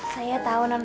saya tahu non